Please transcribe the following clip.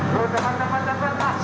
tepat tepat tepat mas